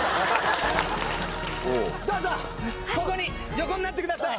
どうぞここに横になってください。